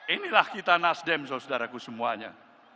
inilah kita nasdem saudaraku semuanya